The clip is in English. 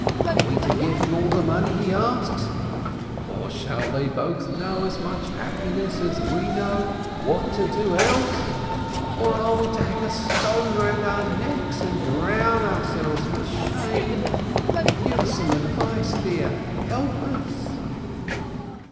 Are we to give him all the money he asks, or shall they both know as much happiness as we know what to do else? Or are we to hang a stone round our necks and drown ourselves for shame ? Give us some advice, dear, help us